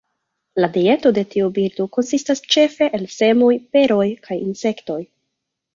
La dieto de tiu birdo konsistas ĉefe el semoj, beroj kaj insektoj.